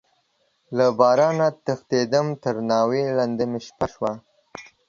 له بارانه تښتيدم، تر ناوې لاندې مې شپه شوه.